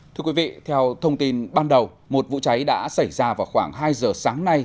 thưa quý vị theo thông tin ban đầu một vụ cháy đã xảy ra vào khoảng hai giờ sáng nay